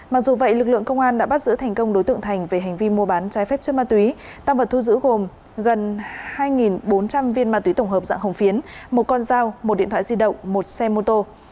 mặc dù vậy lực lượng công an đã bắt giữ thành công đối tượng thành về hành vi mua bán trái phép chất ma túy tăng vật thu giữ gồm gần hai bốn trăm linh viên ma túy tổng hợp dạng hồng phiến một con dao một điện thoại di động một xe mô tô